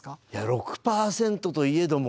６％と言えども。